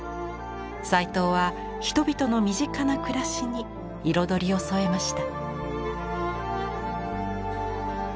斎藤は人々の身近な暮らしに彩りを添えました。